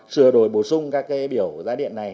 sửa đổi bổ sung các biểu giá điện này